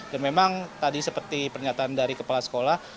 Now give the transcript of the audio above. dan memang tadi seperti pernyataan dari kepala sekolah